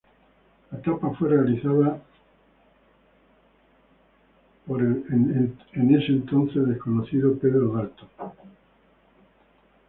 La tapa fue realizada por el en ese entonces desconocido Pedro Dalton.